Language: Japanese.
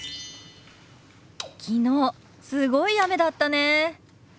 昨日すごい雨だったね。